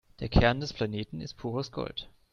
Der Kern des Planeten ist pures Gold.